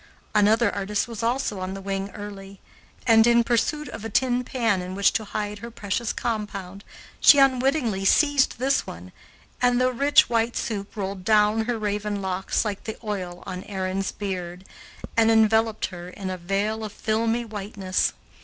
Another artist was also on the wing early, and in pursuit of a tin pan in which to hide her precious compound, she unwittingly seized this one, and the rich white soup rolled down her raven locks like the oil on Aaron's beard, and enveloped her in a veil of filmy whiteness.